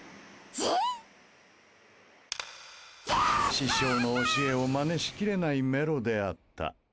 師匠の教えをマネをしきれないメロであった。